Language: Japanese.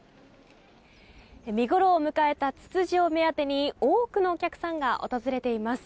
見ごろを迎えたツツジを目当てに多くのお客さんが訪れています。